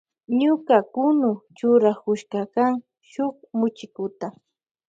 Ñuka kunu churakushkakan shuk muchikuta.